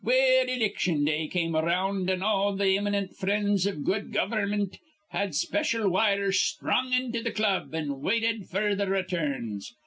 "Well, iliction day come around; an' all th' imminent frinds iv good gover'mint had special wires sthrung into th' club, an' waited f'r th' returns.